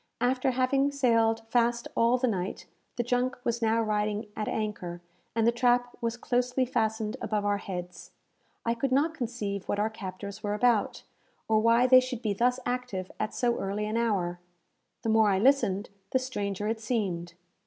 After having sailed fast all the night, the junk was now riding at anchor, and the trap was closely fastened above our heads. I could not conceive what our captors were about, or why they should be thus active at so early an hour. The more I listened, the stranger it seemed.